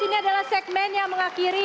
ini adalah segmen yang mengakhiri